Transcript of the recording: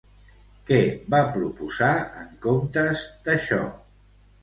Què va proposar en comptes d'això?